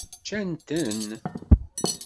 Ččan-ten?